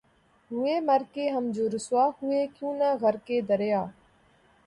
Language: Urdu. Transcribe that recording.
ہوئے مر کے ہم جو رسوا ہوئے کیوں نہ غرقِ دریا